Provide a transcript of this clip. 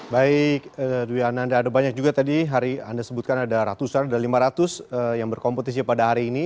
baik dwi ananda ada banyak juga tadi hari anda sebutkan ada ratusan ada lima ratus yang berkompetisi pada hari ini